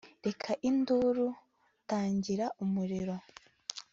Reka induru Tangira umuriro